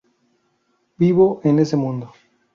Vivo en ese mundo".